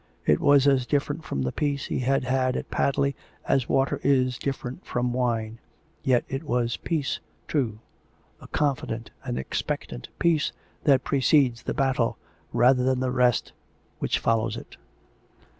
It was as different from the peace he had had at Padley as water is different from wine; yet it was Peace, too, a con fident and expectant peace that precedes the battle, rather than the rest which follows it.